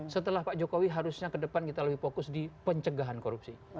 setelah pak jokowi harusnya ke depan kita lebih fokus di pencegahan korupsi